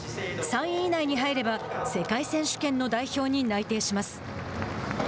３位以内に入れば世界選手権の代表に内定します。